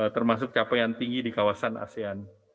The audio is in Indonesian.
termasuk capaian tinggi di kawasan asean